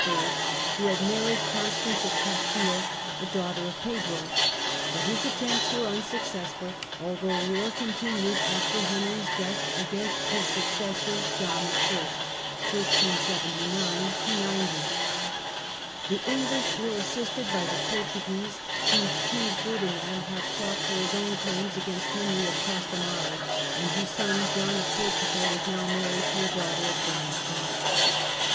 Claims of who had married Constance of Castile, a daughter ofGaunt° Pedro ; but his attempts were unsuccessful, although war continued after Henry's death against his successor John i., . 1379 90 John I. The English were assisted by the Portuguese, whose King Ferdinand had fought for his own claims against Henry of Trastamare, and whose son John of Portugal was now married to a daughter of John of Gaunt.